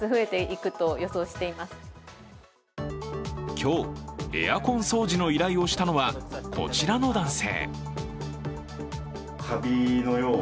今日、エアコン掃除の依頼をしたのは、こちらの男性。